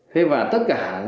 thế và tất cả